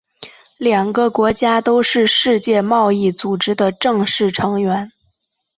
两个国家都是世界贸易组织的正式成员。